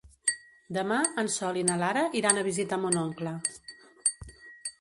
Demà en Sol i na Lara iran a visitar mon oncle.